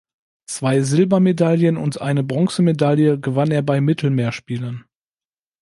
Zwei Silbermedaillen und eine Bronzemedaille gewann er bei Mittelmeerspielen.